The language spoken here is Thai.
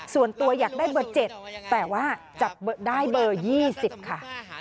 ส่วนตัวอยากได้เบอร์๗แต่ว่าจับได้เบอร์๒๐ค่ะ